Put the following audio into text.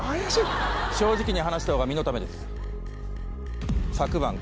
正直に話した方が身のためです。